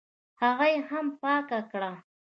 هغه یې هم پاکه کړه.